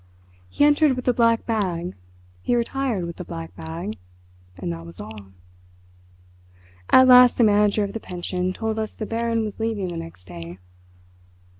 He entered with the black bag, he retired with the black bag—and that was all. At last the manager of the pension told us the Baron was leaving the next day.